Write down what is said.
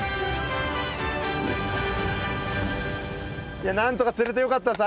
いや何とか釣れてよかったです。